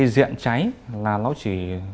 điện cháy là nó chỉ